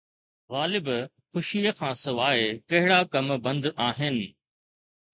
غالب خوشيءَ کان سواءِ ڪهڙا ڪم بند آهن؟